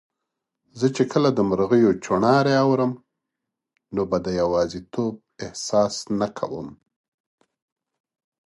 زه چي کله د مرغیو چوڼاری اورم، نو به د یوازیتوب احساس نه کوم